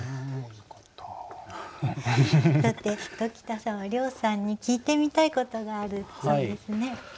さて鴇田さんは涼さんに聞いてみたいことがあるそうですね。